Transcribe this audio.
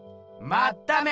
まっため！